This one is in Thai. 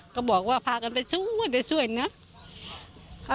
ก็บอกว่าพากันไปช่วยนะ